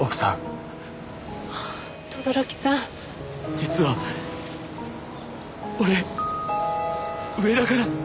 実は俺上田から！